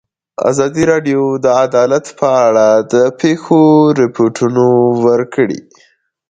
ازادي راډیو د عدالت په اړه د پېښو رپوټونه ورکړي.